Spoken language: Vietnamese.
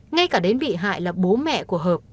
ngay cả đến bị hại là bố mẹ của hợp